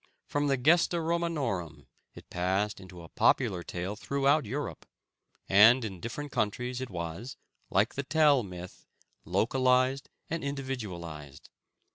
From the Gesta Romanorum it passed into a popular tale throughout Europe, and in different countries it was, like the Tell myth, localized and individualized.